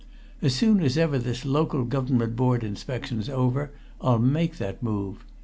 As soon as ever this Local Government Board inspection's over, I'll make that move.